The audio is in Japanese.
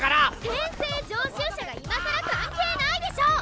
転生常習者が今さら関係ないでしょ！